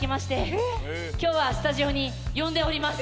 今日はスタジオに呼んでおります。